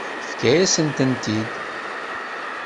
Tefka-yasen-ten-id.